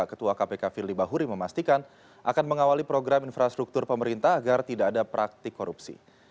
ketua kpk firly bahuri memastikan akan mengawali program infrastruktur pemerintah agar tidak ada praktik korupsi